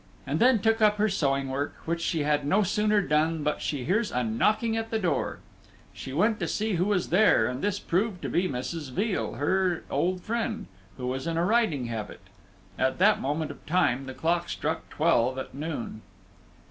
And then took up her sewing work, which she had no sooner done but she hears a knocking at the door; she went to see who was there, and this proved to be Mrs. Veal, her old friend, who was in a riding habit. At that moment of time the clock struck twelve at noon.